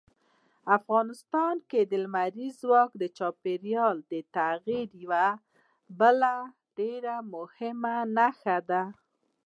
افغانستان کې لمریز ځواک د چاپېریال د تغیر یوه بله ډېره مهمه نښه ده.